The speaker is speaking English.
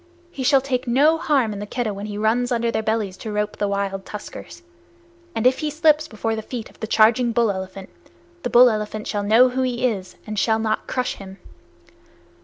He shall take no harm in the Keddah when he runs under their bellies to rope the wild tuskers; and if he slips before the feet of the charging bull elephant, the bull elephant shall know who he is and shall not crush him.